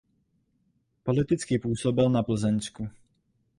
Politicky působil na Plzeňsku.